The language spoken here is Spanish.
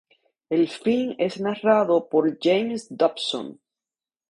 El film es narrado por James Dobson.